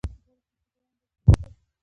دواړو ښځو ته په یوه اندازه ناز ورکئ.